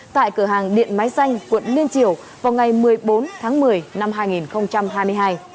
tại cửa hàng điện máy danh quận liên triều vào ngày một mươi bốn tháng một mươi năm hai nghìn hai mươi hai